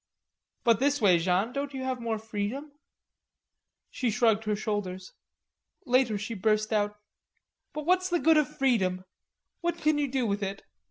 "But this way, Jeanne, haven't you more freedom?" She shrugged her shoulders. Later she burst out: "But what's the good of freedom? What can you do with it?